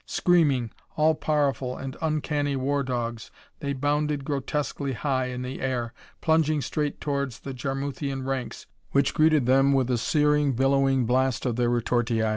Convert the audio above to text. Screaming, all powerful and uncanny war dogs, they bounded grotesquely high in the air, plunging straight towards the Jarmuthian ranks which greeted them with a searing, billowing blast of their retortii.